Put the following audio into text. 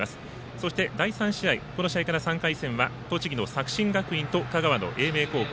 そして第３試合この試合から３回戦は栃木の作新学院と香川の英明高校。